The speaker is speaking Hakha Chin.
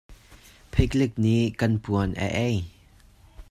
Phihlik nih kan puan a ei.